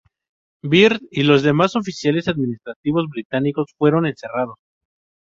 Bird y los demás oficiales administrativos británicos fueron encerrados.